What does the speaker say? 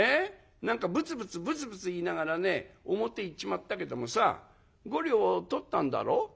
何かぶつぶつぶつぶつ言いながらね表へ行っちまったけどもさ５両取ったんだろ？」。